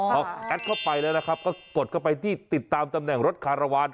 พอแอดเข้าไปแล้วนะครับก็กดเข้าไปที่ติดตามตำแหน่งรถคารวาล